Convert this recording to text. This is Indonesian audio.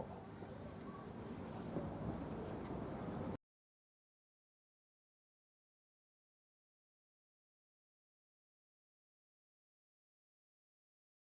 berita terkini mengenai cuaca ekstrem dua ribu dua puluh satu di jepang